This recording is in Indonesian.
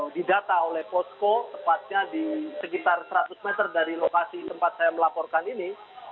didata oleh posko tepatnya di sekitar seratus meter dari lokasi tempat saya melaporkan ini